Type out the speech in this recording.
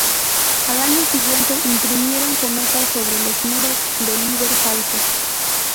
Al año siguiente imprimieron "Cometas sobre los muros" de Líber Falco.